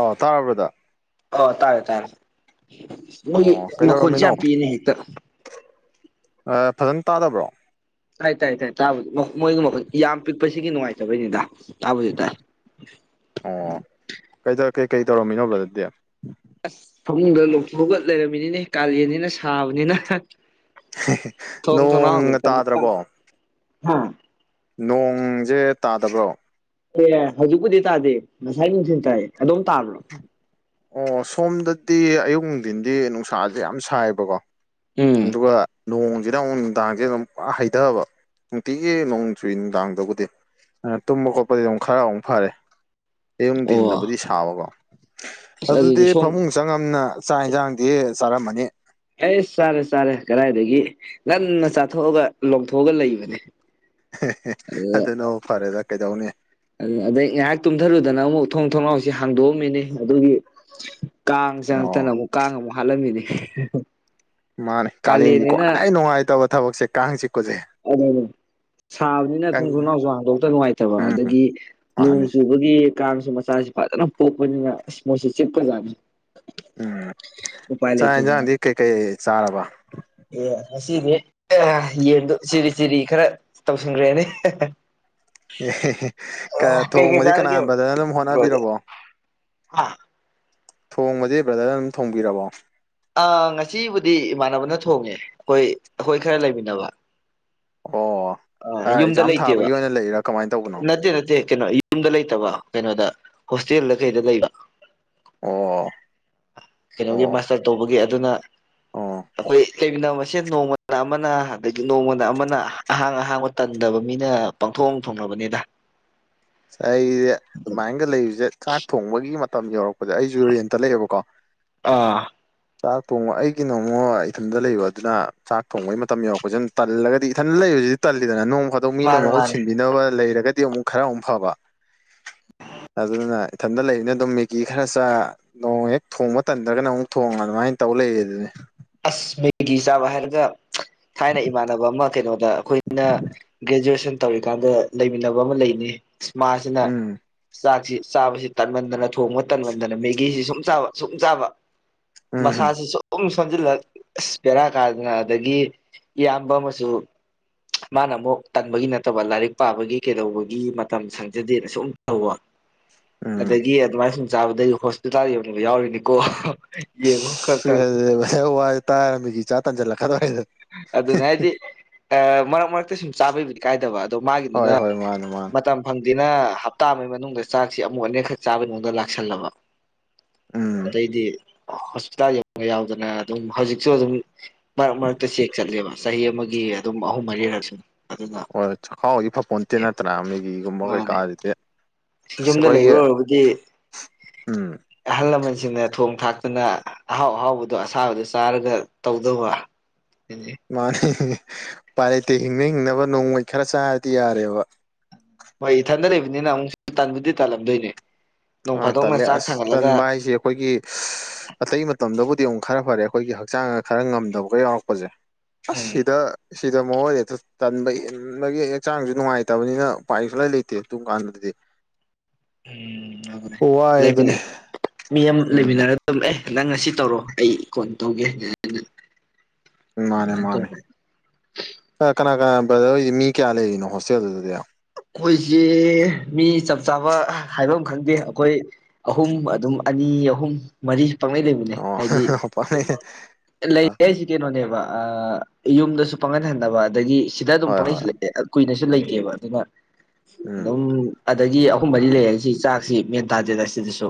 ꯑ ꯇꯥꯔꯕ꯭ꯔꯗ ꯑ ꯇꯥꯔꯦ ꯇꯥꯔꯦ ꯃꯣꯏꯒꯤ ꯑꯣ ꯃꯈꯣꯟꯜꯁꯦ ꯀꯩꯗꯧꯔꯝꯃꯤꯅꯣ ꯌꯥꯝ ꯄꯤꯅꯦ ꯍꯦꯛꯇ ꯐꯖꯅ ꯇꯥꯗꯕ꯭ꯔꯣ ꯇꯥꯏ ꯇꯥꯏ ꯇꯥꯏ ꯇꯥꯕꯗꯤ ꯃꯣꯏꯒꯤ ꯃꯈ ꯌꯥꯝ ꯄꯤꯛꯄꯁꯤꯒꯤ ꯅꯨꯡꯉꯥꯏꯇꯕꯩꯅꯤꯗ ꯇꯥꯕꯨꯗꯗ ꯑꯣ ꯀꯩꯗ ꯀꯩꯀꯩ ꯇꯧꯔꯝꯃꯤꯅꯣ ꯕꯗꯗꯤ ꯑꯁ ꯐꯃꯨꯡꯗ ꯂꯧꯊꯣꯛꯑꯒ ꯂꯩꯔꯝꯃꯤꯅꯤꯅꯦ ꯀꯥꯂꯦꯟꯅꯤꯅ ꯁꯥꯕꯅꯤꯅ ꯅꯣꯡꯒ ꯇꯥꯗ꯭ꯔꯕꯣ ꯍꯥꯥ ꯅꯣꯡꯁꯦ ꯇꯥꯗꯕ꯭ꯔꯣ ꯑꯦ ꯍꯧꯖꯤꯛꯄꯨꯗꯤ ꯇꯥꯗꯦ ꯉꯁꯥꯏ ꯅꯨꯡꯊ ꯇꯥꯏ ꯑꯗꯨꯝ ꯇꯥꯕ꯭ꯔꯣ ꯑꯣ ꯁꯣꯝꯗꯗꯤ ꯑꯌꯨꯛ ꯅꯨꯡꯊꯤꯟꯗꯤ ꯅꯨꯡꯁꯥꯁꯦ ꯌꯥꯝ ꯁꯥꯏꯕꯀꯣ ꯎꯝ ꯗꯨꯀꯣꯡ ꯁꯤꯗꯥꯪ ꯅꯨꯡꯗꯥꯡꯁꯦ ꯑꯗꯨꯝ ꯄꯨꯔ ꯍꯩꯊꯕ ꯅꯨꯡꯇꯤꯒꯤ ꯅꯣꯡ ꯆꯨꯏ ꯅꯨꯡꯗꯥꯡꯗꯕꯨꯗꯤ ꯑꯗꯨ ꯇꯨꯝꯕ ꯈꯣꯠꯄꯗꯤ ꯑꯗꯨꯝ ꯈꯔ ꯑꯃꯨꯛ ꯐꯔꯦ ꯑꯣ ꯑꯌꯨꯡꯊꯤꯟꯗꯕꯨꯗꯤ ꯁꯥꯕꯀꯣ ꯑꯁ ꯑꯗꯨꯗꯤ ꯁꯣꯝ ꯐꯃꯨꯡ ꯆꯪꯉꯝꯅ ꯆꯥꯛ ꯌꯦꯟꯁꯥꯡꯗꯤ ꯆꯥꯔꯝꯃꯅꯤ ꯑꯩ ꯆꯥꯔꯦ ꯆꯥꯔꯦ ꯀꯗꯥꯏꯗꯒꯤ ꯉꯟꯅ ꯆꯥꯊꯣꯛꯑꯒ ꯂꯧꯊꯣꯛꯑꯒ ꯂꯩꯕꯅꯦ ꯑꯗꯨꯗ ꯑꯗꯨꯅꯣ ꯐꯔꯦꯗ ꯀꯩꯗꯧꯅꯤ ꯑꯗꯩ ꯉꯥꯏꯍꯥꯛ ꯇꯨꯝꯊꯔꯨꯗꯅ ꯑꯃꯨꯛ ꯊꯣꯡ ꯊꯣꯡꯅꯥꯎꯁꯤ ꯍꯥꯡꯗꯣꯛꯑꯝꯃꯤꯅꯤ ꯑꯗꯨꯒꯤ ꯀꯥꯡ ꯑꯣ ꯆꯪꯉꯛꯇꯅ ꯑꯃꯨꯛ ꯀꯥꯡ ꯑꯃꯨꯛ ꯍꯥꯠꯂꯝꯃꯤꯅꯦ ꯃꯥꯅꯦ ꯀꯥꯂꯦꯟꯒꯤ ꯈ꯭ꯋꯥꯏ ꯅꯨꯡꯉꯥꯏꯇꯕ ꯊꯕꯛꯁꯦ ꯀꯥꯡꯁꯤ ꯑꯗꯅꯦ ꯁꯥꯕꯅꯤꯅ ꯀꯪ ꯊꯣꯡ ꯊꯣꯡꯅꯥꯎꯁꯨ ꯍꯥꯡꯗꯣꯛꯇ ꯅꯨꯡꯉꯥꯏꯇꯕ ꯎꯝ ꯑꯗꯒꯤ ꯅꯣꯡ ꯃꯥꯅꯤ ꯆꯨꯕꯒꯤ ꯀꯥꯡꯁꯨ ꯃꯆꯥꯁꯤ ꯐꯖꯅ ꯄꯣꯛꯄꯅꯤꯅ ꯏꯁ ꯃꯣꯏꯁꯤ ꯆꯤꯞꯄꯖꯥꯠꯅꯤ ꯎꯝ ꯆꯥꯛ ꯏꯟꯖꯥꯡꯗꯤ ꯀꯩꯀꯩ ꯆꯥꯔꯕ ꯑꯦ ꯉꯁꯤꯗꯤ ꯑꯦ ꯌꯦꯟꯗꯣ ꯆꯤꯔꯤ ꯆꯤꯔꯤ ꯈꯔ ꯇꯧꯁꯤꯟꯈ꯭ꯔꯦꯅꯦ ꯍꯦ ꯍꯦ ꯑꯦ ꯍꯦ ꯍꯦ ꯀ ꯊꯣꯡꯕꯗꯤ ꯀꯅꯥ ꯆꯥꯔꯒꯦ ꯕꯔ꯭ꯥꯗꯔꯅ ꯑꯗꯨꯝ ꯍꯣꯠꯅꯕꯤꯔꯕꯣ ꯍꯥ ꯊꯣꯡꯕꯗꯤ ꯕ꯭ꯔꯗꯔꯅ ꯑꯗꯨꯝ ꯊꯣꯡꯕꯤꯔꯕꯣ ꯑ ꯉꯁꯤꯕꯨꯗꯤ ꯏꯃꯥꯟꯅꯕꯅ ꯊꯣꯡꯉꯦ ꯑꯈꯣꯏ ꯑꯈꯣꯏ ꯈꯔ ꯂꯩꯃꯤꯟꯅꯕ ꯑꯣ ꯑ ꯌꯨꯝꯗ ꯑꯦꯛꯖꯥꯝ ꯂꯩꯇꯦꯕ ꯊꯥꯕꯒꯤ ꯑꯣꯏꯅ ꯂꯩꯔꯥ ꯀꯃꯥꯏꯅ ꯇꯧꯕꯅꯣ ꯅꯠꯇꯦ ꯅꯠꯇꯦ ꯀꯩꯅꯣ ꯌꯨꯝꯗ ꯂꯩꯇꯕ ꯀꯩꯅꯣꯗ ꯍꯣꯁꯇꯦꯜꯗ ꯀꯩꯗ ꯂꯩꯕ ꯑꯣ ꯀꯩꯅꯣꯒꯤ ꯑꯣ ꯃꯥꯁꯇꯔ ꯇꯧꯕꯒꯤ ꯑꯗꯨꯅ ꯑꯣ ꯑꯈꯣꯏ ꯂꯩꯃꯤꯟꯅꯕ ꯃꯁꯦ ꯁꯦ ꯅꯣꯡꯃꯗ ꯑꯃꯅ ꯑꯗꯒꯤ ꯅꯣꯡꯃꯅ ꯑꯃꯅ ꯑꯍꯥꯡ ꯑꯍꯥꯡꯕ ꯇꯟꯗꯕ ꯃꯤꯅ ꯄꯪꯡꯊꯣꯡ ꯊꯣꯡꯅꯕ ꯕꯅꯤꯗ ꯑꯁ ꯑꯩꯖ ꯑꯗꯨꯃꯥꯏꯅꯒ ꯂꯩꯕꯖꯦ ꯆꯥꯛ ꯊꯣꯡꯕꯒꯤ ꯃꯠ ꯃꯇꯝ ꯌꯧꯔꯛꯄꯗ ꯑꯩꯁꯨ ꯔꯦꯟꯇ ꯂꯩꯑꯕꯀꯣ ꯑꯥ ꯆꯥꯛ ꯊꯣꯡꯕ ꯑꯩꯒꯤꯅꯃꯨꯛ ꯏꯊꯟꯗ ꯂꯩꯕ ꯑꯗꯨꯅ ꯆꯥꯛ ꯊꯣꯡꯕꯩ ꯃꯇꯝ ꯌꯧꯔꯛꯄꯖꯦꯗꯨꯝ ꯇꯜꯂꯒꯗꯤ ꯏꯊꯟ ꯂꯩꯕ ꯖꯤꯗꯗꯤ ꯇꯜꯂꯤꯗꯅ ꯅꯣꯡ ꯐꯥꯗꯣꯛ ꯃꯤꯅ ꯃꯥꯅꯦ ꯃꯍꯨꯠ ꯃꯥꯅꯦ ꯁꯤꯟꯕꯤꯅꯕ ꯂꯩꯔꯒꯗꯤ ꯑꯃꯨꯛ ꯈꯔ ꯑꯃꯨꯛ ꯐꯕ [inaudible] ꯑꯗꯨꯅ ꯏꯊꯟꯇ ꯂꯩꯝꯅꯤꯅ ꯑꯗꯨꯝ ꯃꯦꯒꯤ ꯈꯔ ꯆꯥ ꯅꯣꯡ ꯍꯦꯛ ꯊꯣꯡꯕ ꯇꯟꯗ꯭ꯔꯒꯅ ꯑꯃꯨꯛ ꯊꯣꯡ ꯑꯗꯨꯃꯥꯏꯅ ꯇꯧ ꯄꯨꯂꯩ ꯑꯗꯨꯅꯤ ꯑꯁ ꯃꯦꯒꯤ ꯆꯥꯕ ꯍꯥꯏꯔꯒ ꯊꯥꯏꯅ ꯏꯃꯥꯟꯅꯕ ꯑꯃ ꯀꯩꯅꯣꯗ ꯑꯩꯈꯣꯏꯅ ꯒ꯭ꯔꯦꯖꯨꯑꯦꯁꯟ ꯇꯧꯔꯤꯀꯥꯟꯗ ꯂꯩꯃꯤꯟꯅꯕ ꯑꯃ ꯂꯩꯅꯤ ꯃꯥꯁꯤꯅ ꯎꯝ ꯆꯥꯛꯁꯤ ꯆꯥꯕꯁꯤ ꯇꯟꯃꯟꯗꯅ ꯊꯣꯡꯕ ꯇꯟꯃꯟꯗꯅ ꯃꯦꯒꯤꯁꯤ ꯁꯨꯝ ꯁꯨꯝ ꯆꯥꯕ ꯎꯝ ꯃꯁꯥꯖꯤ ꯁꯨꯝ ꯁꯨꯝ ꯁꯦꯟꯖꯤꯜꯂꯛ ꯑꯁ ꯕꯦꯔꯥ ꯀꯥꯗꯅ ꯑꯗꯒꯤ ꯏꯌꯥꯝꯕ ꯑꯃꯁꯨ ꯃꯥꯅ ꯑꯃꯨꯛ ꯇꯟꯕꯒꯤ ꯅꯠꯇꯕ ꯂꯥꯏꯔꯤꯛ ꯄꯥꯕꯒꯤ ꯀꯩꯗꯧꯕꯒꯤ ꯃꯇꯝ ꯁꯪꯖꯗꯦꯅ ꯁꯨꯝ ꯇꯧꯕ ꯎꯝ ꯑꯗꯒꯤ ꯑꯗꯨꯃꯥꯏꯅ ꯁꯨꯝ ꯆꯥꯕꯗꯩ ꯍꯣꯁꯄꯤꯇꯥꯜ ꯌꯧꯅꯕ ꯌꯥꯎꯔꯤꯅꯤꯀꯣ ꯌꯦꯡꯉꯨ ꯈꯔ ꯈꯔ ꯇꯥꯎ ꯋꯥꯖꯦ ꯇꯥꯔ ꯃꯦꯒꯤ ꯆꯥ ꯇꯟꯖꯤꯜꯂꯛꯀꯗꯧꯔꯦ ꯍ ꯑꯗꯨꯅ ꯍꯥꯏꯗꯤ ꯑ ꯃꯔꯛ ꯃꯔꯛꯇ ꯁꯨꯝ ꯆꯥꯕꯩꯕꯨꯗꯤ ꯀꯥꯏꯗꯕ ꯗꯣ ꯍꯣꯏ ꯃꯥꯒꯤꯗꯨꯅ ꯍꯣꯏ ꯃꯥꯅꯦ ꯃꯥꯅꯦ ꯃꯇꯝ ꯐꯪ ꯖꯤꯅ ꯍꯞꯇꯥ ꯑꯃꯩ ꯃꯅꯨꯡꯗ ꯆꯥꯛꯁꯤ ꯑꯃꯨꯛ ꯑꯅꯤꯔꯛꯈꯛ ꯆꯥꯕꯩ ꯃꯑꯣꯡꯗ ꯂꯥꯛꯁꯜꯂꯕ ꯎꯝ ꯑꯗꯩꯗꯤ ꯍꯣꯁꯄꯤꯇꯥꯜ ꯌꯧ ꯕ ꯌꯥꯎꯗꯅ ꯑꯗꯨꯝ ꯍꯧꯖꯤꯛꯁꯨ ꯑꯗꯨꯝ ꯃꯔꯛ ꯃꯔꯛ ꯆꯦꯛ ꯆꯠꯂꯦꯕ ꯆꯍꯤ ꯑꯃꯒꯤ ꯑꯗꯨꯝ ꯑꯍꯨꯝ ꯃꯔꯤꯔꯛꯁꯨ ꯍꯣꯏ ꯆꯈꯥꯎꯗꯤ ꯐꯄꯣꯟꯇꯦ ꯅꯠꯇ꯭ꯔꯥ ꯃꯦꯒꯤꯒꯨꯝꯕ ꯀꯩꯀꯥ ꯖꯤꯗꯤ ꯁꯤꯌꯨꯝꯗ ꯂꯩꯕ ꯑꯣꯏꯔꯕꯨꯗꯤ ꯎꯝ ꯑꯍꯜ ꯂꯃꯟ ꯁ ꯁꯤꯡꯅ ꯊꯣꯡ ꯊꯥꯛꯇꯅ ꯑꯍꯥꯎ ꯑꯍꯥꯎꯕꯗꯣ ꯑꯁꯥꯕꯗꯣ ꯆꯥꯔꯒ ꯇꯧꯗꯧꯕ ꯃꯥꯅꯤ ꯍꯤ ꯍꯤ ꯍꯤ ꯎꯄꯥꯏ ꯂꯩꯇꯦ ꯍꯤꯡꯅ ꯍꯤꯡꯅꯕ ꯅꯣꯡꯃꯩ ꯈꯔ ꯆꯥꯔꯗꯤ ꯌꯥꯔꯦꯕ ꯍꯣꯏ ꯏꯊꯟꯗ ꯂꯩꯕꯅꯤꯅ ꯑꯃꯨꯛꯁꯨ ꯇꯟꯕꯕꯨꯗꯤ ꯇꯜꯂꯝꯗꯣꯏꯅꯦ ꯅꯣꯡ ꯑꯥ ꯐꯥꯗꯣꯛꯅ ꯇꯜꯂꯦ ꯆꯥꯛ ꯑꯁ ꯊꯥꯡꯒꯠꯂꯒ ꯇꯟꯕ ꯍꯥꯏꯁꯦ ꯑꯩꯈꯣꯏꯒꯤ ꯁ ꯑꯇꯩ ꯃꯇꯝꯗꯕꯨꯗꯤ ꯑꯃꯨꯛ ꯈꯔ ꯐꯔꯦ꯫ ꯑꯈꯣꯏꯒꯤ ꯍꯛꯆꯥꯡ ꯈꯔ ꯉꯝꯗꯕꯒ ꯌꯥꯎꯔꯛꯄꯖꯦ ꯑꯁ ꯎꯝ ꯁꯤꯗ ꯁꯤꯗ ꯃꯑꯣꯏꯔꯦ ꯖ ꯇꯟꯕ ꯏꯟꯕꯒꯤ ꯍꯛꯆꯥꯡꯁꯨ ꯅꯨꯡꯉꯥꯏꯇꯕꯅꯤꯅ ꯎꯄꯥꯏ ꯁꯨꯡꯂꯥꯏ ꯂꯩꯇꯦ ꯑꯗꯨꯨꯝ ꯀꯥꯟꯗꯗꯤ [inaudible] ꯎꯝ ꯋꯥꯏ ꯂꯩꯕꯅꯦ ꯑꯗꯨꯅꯤ ꯃꯤ ꯑꯃ ꯎꯝ ꯂꯩꯃꯤꯟꯅꯔ ꯇꯨꯝ ꯑꯦ ꯅꯪ ꯉꯁꯤ ꯇꯧꯔꯣ ꯑꯩ ꯀꯣꯟ ꯇꯧꯒꯦ ꯃꯥꯅꯦ ꯑꯗꯨꯃꯥꯏꯅ ꯃꯥꯅꯦ ꯇꯧꯕ ꯀꯅꯥ ꯀꯅꯥ ꯕꯗꯤ ꯃꯤ ꯀꯌꯥ ꯂꯩꯔꯤꯅꯣ ꯍꯣꯁꯇꯦꯜꯗꯨꯗꯗꯤ ꯑꯩꯈꯣꯏꯁꯦ ꯃꯤ ꯆꯞ ꯆꯥꯕ ꯍꯥꯏꯕ ꯑꯃ ꯈꯪꯗꯦ ꯑꯩꯈꯣꯏ ꯑꯍꯨꯝ ꯑꯗꯨꯝ ꯑꯅꯤ ꯃꯤ ꯑꯍꯨꯝ ꯃꯔꯤ ꯄꯥꯡꯂꯩ ꯂꯩꯕꯅꯦ ꯍꯥꯏꯗꯤ ꯂꯩ ꯑꯩꯁꯤ ꯀꯩꯅꯣꯅꯦꯕ ꯌꯨꯝꯗꯁꯨ ꯄꯪꯒꯟꯍꯟꯅꯕ ꯑꯗꯒꯤ ꯁꯤꯗ ꯑꯗꯨꯝ ꯍꯣꯏ ꯍꯣꯏ ꯄꯪꯩꯜꯂꯛꯦ ꯀꯨꯏꯅꯁꯨ ꯂꯩꯇꯦꯕ ꯑꯗꯨꯅ ꯎꯝ ꯑꯗꯨꯝ ꯑꯗꯒꯤ ꯑꯍꯨꯝ ꯃꯔꯤ ꯂꯩꯔ ꯁꯤ ꯆꯥꯛꯁꯤ ꯃꯦꯟ ꯇꯥꯗꯦꯗ ꯁꯤꯗꯁꯨ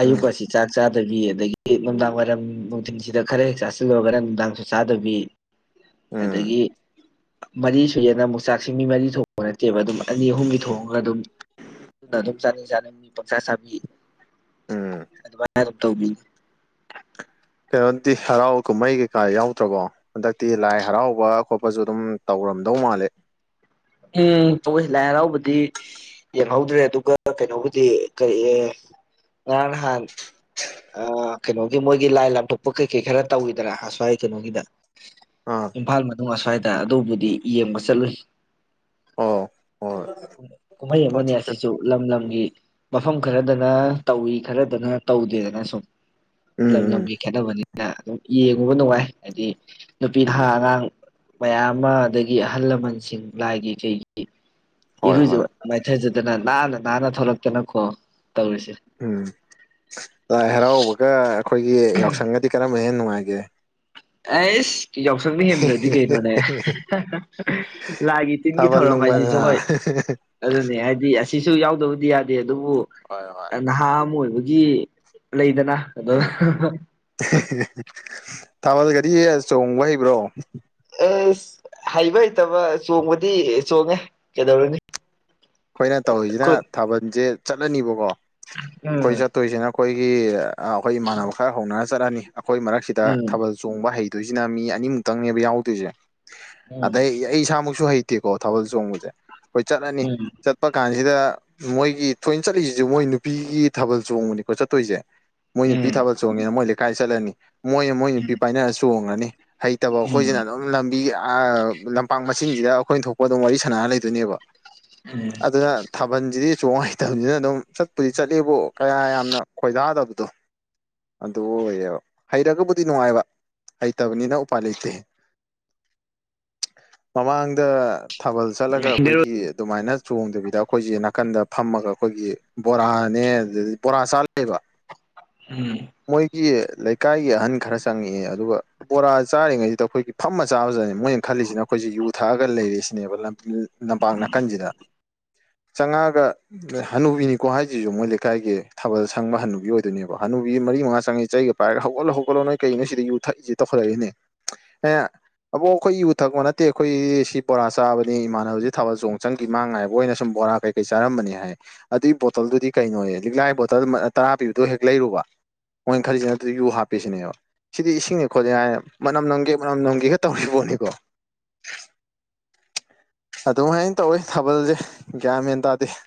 ꯑꯌꯨ ꯎꯝ ꯀꯁꯤ ꯆꯥꯛ ꯆ ꯆꯥꯗꯕꯤ ꯑꯗꯒꯤ ꯅꯨꯡꯗꯥꯡ ꯋꯥꯏꯔꯝ ꯅꯨꯡꯊꯤꯟꯁꯤꯗ ꯈꯔ ꯍꯦꯛ ꯆꯥꯁꯤꯜꯂꯒ ꯈꯔ ꯅꯨꯡꯗꯥꯡꯁꯨ ꯆꯥꯗꯕꯤ ꯎꯝ ꯑꯗꯒꯤ ꯃꯔꯤ ꯁꯨꯌꯦꯅ ꯑꯃꯨꯛ ꯆꯥꯛꯁꯤ ꯃꯤ ꯃꯔꯤ ꯊꯣꯛ ꯅꯠꯇꯦꯕ ꯑꯗꯨꯝ ꯑꯅꯤ ꯑꯍꯨꯝꯒꯤ ꯊꯣꯡꯉꯒ ꯑꯗꯨꯝ ꯅꯗꯨꯝꯁꯅꯤꯅꯤꯡ ꯃꯤ ꯄꯪꯆꯥꯥ ꯁꯕꯤ ꯎꯝ ꯇꯧ ꯀꯩꯅꯣꯗꯤ ꯍꯔꯥꯎ ꯀꯨꯝꯍꯩ ꯀꯩꯀꯥ ꯌꯥꯎꯗ꯭ꯔꯕꯣ ꯍꯟꯗꯛꯇꯤ ꯂꯥꯏ ꯍꯔꯥꯎꯕ ꯈꯣꯠꯄꯁꯨ ꯑꯗꯨꯝ ꯇꯧ ꯉꯝꯗꯧ ꯃꯥꯜꯂꯦ ꯎꯝ ꯄꯁꯤ ꯂꯥꯏ ꯍꯔꯥꯎꯕꯗꯤ ꯌꯦꯡꯍꯧꯗ꯭ꯔꯦ ꯑꯗꯨꯒ ꯀꯩꯅꯣꯕꯨꯗꯤ ꯀꯔꯤ ꯔꯥꯟꯍꯥꯟ ꯑ ꯀꯩꯅꯣꯒꯤ ꯃꯣꯏꯒꯤ ꯂꯥꯏ ꯂꯥꯝꯊꯣꯛꯄ ꯀꯩ ꯀꯩ ꯈꯔ ꯇꯧꯏꯗꯔ ꯑꯁ꯭ꯋꯥꯏ ꯀꯩꯅꯣꯒꯤꯗ ꯑꯥ ꯏꯝꯐꯥꯜ ꯃꯅꯨꯡ ꯑꯁ꯭ꯋꯥꯏꯗ ꯑꯗꯨꯕꯨꯗꯤ ꯌꯦꯡꯕ ꯆꯠꯂꯨꯏ ꯑꯣ ꯍꯣꯏ ꯀꯨꯝꯍꯩ ꯑꯃꯅꯤ ꯑꯁꯤꯁꯨ ꯂꯝ ꯂꯝꯒꯤ ꯃꯐꯝ ꯈꯔꯗꯅ ꯇꯧꯏꯤ ꯈꯔꯗꯅ ꯇꯧꯗꯦꯗꯅ ꯁꯨꯝ ꯎꯝ ꯂꯝ ꯎꯝ ꯂꯝꯒꯤ ꯈꯦꯠꯅꯕꯅꯤ ꯑꯗꯨꯝ ꯌꯦꯡꯉꯨꯕ ꯅꯨꯡꯉꯥꯏ ꯍꯥꯏꯗꯤ ꯅꯨꯄꯤ ꯅꯍꯥ ꯑꯉꯥꯡ ꯃꯌꯥꯝ ꯑꯃ ꯑꯗꯒꯤ ꯑꯍꯜ ꯂꯃꯟꯁꯤꯡ ꯂꯥꯏꯒꯤ ꯀꯩꯒꯤ ꯍꯣꯏ ꯏꯔꯨꯖ ꯍꯣꯏ ꯃꯥꯏꯊꯖꯗꯅ ꯅꯥꯟꯅ ꯅꯥꯟꯅ ꯊꯣꯛꯂꯛꯇꯅꯀꯣ ꯇꯧꯔꯤꯁꯦ ꯎꯝ ꯂꯥꯏ ꯍꯔꯥꯎꯕꯒ ꯑꯩꯈꯣꯏꯒꯤ ꯌꯥꯎꯁꯪꯒꯗꯤ ꯀꯔꯝꯕꯅ ꯍꯦꯟꯅ ꯅꯨꯡꯉꯥꯏꯒꯦ ꯑꯁ ꯌꯥꯎꯁꯪꯅ ꯍꯦꯟꯗ꯭ꯔꯗꯤ ꯀꯩꯅꯣꯅꯦ ꯂꯥꯒꯤ ꯇꯤꯟꯒꯤ ꯊꯥꯕꯜ ꯊꯧꯔꯝ ꯍꯥꯏꯁꯤꯁꯨ ꯅꯨꯡꯕꯜꯅ ꯍꯣꯏ ꯑꯗꯨꯅꯦ ꯍꯥꯏꯗꯤ ꯁꯤꯁꯨ ꯌꯥꯎꯗꯕꯗꯤ ꯌꯥꯗꯦ ꯑꯗꯨꯕꯨ ꯍꯣꯏ ꯍꯣꯏ ꯅꯍꯥ ꯑꯃ ꯑꯣꯏꯕꯒꯤ ꯂꯩꯗꯅ ꯑꯗ ꯊꯥꯃꯜꯗ ꯒꯥꯔꯤ ꯆꯣꯡꯕ ꯍꯩꯕ꯭ꯔꯣ ꯑꯦꯁ ꯍꯩꯕ ꯍꯩꯇꯕ ꯆꯣꯡꯕꯗꯤ ꯆꯣꯡꯉꯦ ꯀꯩꯗꯧꯔꯅꯤ ꯑꯩꯈꯣꯏꯅ ꯇꯧꯔꯤꯁꯤꯅ ꯈꯨꯠ ꯊꯥꯕꯜꯁꯦ ꯆꯠꯂꯅꯤꯕꯀꯣ ꯑꯩꯈꯣꯏ ꯎꯝ ꯆꯠꯇꯣꯏꯁꯤꯅ ꯑꯩꯈꯣꯏꯒꯤ ꯑꯩꯈꯣꯏ ꯏꯃꯥꯟꯅꯕ ꯈꯔ ꯍꯧꯅꯔ ꯆꯠꯂꯅꯤ ꯑꯩꯈꯣꯏ ꯃꯔꯛꯁꯤꯗ ꯎꯝ ꯊꯥꯕꯜ ꯆꯣꯡꯕ ꯍꯩ ꯑꯗꯨꯏꯁꯤꯅ ꯃꯤ ꯑꯅꯤꯃꯨꯛꯇꯪꯅꯦꯕ ꯌꯥꯎꯗꯣꯏꯁꯦ ꯎꯝ ꯑꯗꯩ ꯑꯩ ꯏꯁꯥꯃꯛꯨ ꯁꯨ ꯍꯩꯇꯦꯀꯣ ꯊꯥꯕꯜ ꯆꯣꯡꯕꯁꯦ ꯑꯩꯈꯣꯏ ꯆꯠꯂꯅꯤ ꯎꯝ ꯆꯠꯄ ꯀꯥꯟꯁꯤꯗ ꯃꯣꯏꯒꯤ ꯊꯣꯏꯅ ꯆꯠꯂꯤꯁꯤꯁꯨ ꯃꯣꯏ ꯅꯨꯄꯤꯒꯤ ꯊꯥꯕꯜ ꯆꯣꯡꯕꯅꯤꯀꯣ ꯆꯠꯇꯣꯏꯁꯦ ꯃꯣꯏ ꯅꯨꯄꯤ ꯎꯝ ꯊꯥꯕꯜ ꯆꯣꯡꯉꯦꯅ ꯃꯣꯏ ꯀꯥꯏ ꯆꯠꯂꯅꯤ ꯃꯣꯏꯅ ꯃꯣꯏ ꯎꯝ ꯅꯨꯄꯤ ꯄꯥꯏꯅꯔ ꯆꯣꯡꯉꯅꯤ ꯍꯩꯇꯕ ꯑꯩꯈꯣꯏꯁꯤꯅ ꯎꯝ ꯑꯗꯨꯝ ꯂꯝꯕꯤ ꯂꯝꯄꯥꯛ ꯃꯆꯤꯟꯁꯤꯗ ꯑꯩꯈꯣꯏꯅ ꯊꯣꯛꯄ ꯑꯗꯨꯝ ꯋꯥꯔꯤ ꯁꯥꯟꯅꯔ ꯂꯩꯗꯣꯏꯅꯦꯕ ꯑꯗꯨꯅ ꯊꯥꯕꯜꯁꯤꯗꯤ ꯁꯨ ꯅꯨꯡꯉꯥꯏꯇꯕꯅꯤꯅ ꯑꯗꯨꯝ ꯆꯠꯄꯨꯗꯤ ꯆꯠꯂꯦꯕꯨ ꯀꯌꯥ ꯌꯥꯝꯅ ꯈꯣꯏꯗꯥꯗꯕꯗꯣ ꯑꯗꯨ ꯑꯣꯏꯌꯦꯕ ꯍꯩꯔꯒꯕꯨꯗꯤ ꯅꯨꯡꯉꯥꯏꯕ ꯍꯩꯇꯕꯅꯤꯅ ꯎꯄꯥꯏ ꯂꯩꯇꯦ ꯃꯃꯥꯡꯗ ꯊꯥꯕꯜ ꯆꯠꯂꯒ ꯎꯝ ꯍꯤꯡꯅꯔꯣꯏ ꯑꯩꯈꯣꯏꯒꯤ ꯑꯗꯨꯃꯥꯏꯅ ꯂꯣꯡꯗꯕꯤꯗ ꯑꯩꯈꯣꯏꯁꯦ ꯅꯥꯀꯟꯗ ꯐꯝꯃꯒ ꯑꯩꯈꯣꯏꯒꯤ ꯕꯣꯔꯥꯅꯦ ꯑꯗꯨꯗꯤ ꯕꯣꯔꯥ ꯆꯥꯂꯕ ꯎꯝ ꯃꯣꯏꯒꯤ ꯂꯩꯀꯥꯏꯒꯤ ꯑꯍꯟ ꯈꯔ ꯆꯪꯉꯛꯑꯦ ꯑꯗꯨꯒ ꯕꯣꯔꯥ ꯆꯥꯔꯤꯉꯩꯁꯤꯗ ꯑꯩꯈꯣꯏꯒꯤ ꯐꯝꯃ ꯆꯥꯕꯖꯅꯤ ꯃꯣꯏꯅ ꯈꯜꯂꯤꯁꯤꯅ ꯑꯩꯈꯣꯏ ꯑꯩꯈꯣꯏꯁꯤ ꯌꯨ ꯊꯛꯑꯒ ꯂꯩꯔꯤꯁꯤꯅꯦꯕ ꯂꯝꯄꯥꯛ ꯅꯥꯀꯟꯁꯤꯗ ꯆꯥꯉꯥꯒ ꯍꯅꯨꯕꯤꯅꯤꯀꯣ ꯍꯥꯏꯁꯤꯁꯨ ꯃꯣꯏ ꯂꯩꯀꯥꯏꯒꯤ ꯊꯥꯕꯜ ꯁꯪꯕ ꯍꯅꯨꯕꯤ ꯑꯣꯏꯗꯣꯏꯅꯦꯕ ꯍꯅꯨꯕꯤ ꯃꯔꯤ ꯃꯉꯥ ꯆꯪꯉꯛꯏ ꯆꯩꯒ ꯄꯥꯏꯔꯒ ꯍꯧꯒꯠꯂꯣ ꯍꯧꯒꯠꯂꯣ ꯅꯣꯏ ꯀꯩꯩꯅ ꯅꯣꯏ ꯁꯤꯗ ꯌꯨ ꯊꯛꯏꯁꯦ ꯇꯧꯈꯠꯂꯛꯏꯅꯦ ꯑꯦ ꯑꯕꯣ ꯑꯩꯈꯣꯏ ꯏꯎꯨ ꯊꯛꯄ ꯅꯠꯇꯦ ꯑꯩꯈꯣꯏ ꯁꯤ ꯕꯣꯔꯥ ꯆꯥꯕꯅꯦ ꯏꯃꯥꯟꯅꯕꯁꯤ ꯊꯥꯕꯜ ꯆꯣꯡ ꯆꯪꯈꯤ ꯃꯥꯡꯉꯥꯏꯕ ꯑꯣꯏꯅ ꯁꯨꯝ ꯕꯣꯔꯥ ꯀꯩ ꯀꯩ ꯆꯥꯔꯝꯕꯅꯦ ꯍꯥꯏ ꯑꯗꯨꯏ ꯕꯣꯇꯜꯗꯨꯗꯤ ꯀꯩꯅꯣ ꯂꯤꯛꯂꯥꯏ ꯕꯣꯇꯜ ꯇꯔꯥ ꯄꯤꯕꯗꯣ ꯍꯦꯛ ꯑꯩꯔꯨꯕ ꯃꯣꯏ ꯈꯔꯤꯁꯤꯅ ꯑꯗꯨ ꯌꯨ ꯍꯥꯞꯄꯤꯁꯤꯅꯦꯕ ꯁꯤꯗꯤ ꯏꯁꯤꯡꯅꯦ ꯈꯣꯠꯂꯤꯦ ꯍꯥꯏꯥꯏ ꯃꯅꯝ ꯅꯝꯒꯦ ꯃꯅꯝ ꯅꯝꯒꯦꯒ ꯇꯧꯔꯤꯕꯣ ꯀꯣ ꯑꯗꯨꯝꯍꯥꯏꯅ ꯇꯧꯋꯤ ꯊꯥꯕꯜꯁꯦ ꯒ꯭ꯌꯥ ꯃꯦꯟ ꯇꯥꯗꯦ [inaudible]